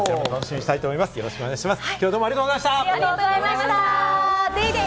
よろしくお願いします。